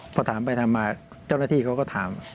พอถามไปถามมาเจ้าหน้าที่เขาก็ถาม